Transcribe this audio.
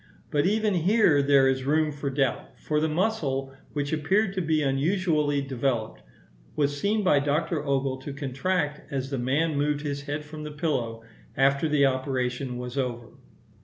But even here there is room for doubt, for the muscle which appeared to be unusually developed, was seen by Dr. Ogle to contract as the man moved his head from the pillow, after the operation was over.